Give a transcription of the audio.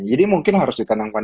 jadi mungkin harus dikenangkan